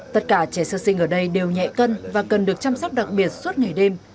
tất cả trẻ sơ sinh ở đây đều nhẹ cân và cần được chăm sóc đặc biệt suốt ngày đêm